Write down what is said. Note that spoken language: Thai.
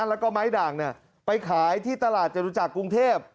แล้วก็ไม้ด่างไปขายที่ตลาดจรุจักรกรุงเทพ